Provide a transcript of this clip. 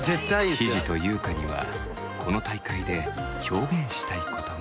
ひじとゆうかにはこの大会で表現したいことが。